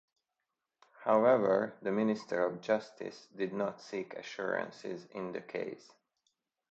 However, the Minister of Justice did not seek assurances in the case.